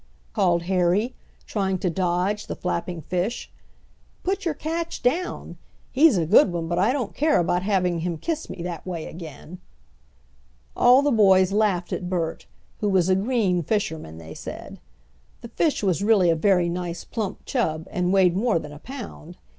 called Harry, trying to dodge the flapping fish. "Put your catch down. He's a good one, but I don't care about having him kiss me that way again." All the boys laughed at Bert, who was a green fisherman they said. The fish was really a very nice plump chub and weighed more than a pound.